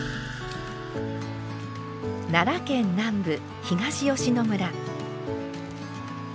奈良県南部東吉野村。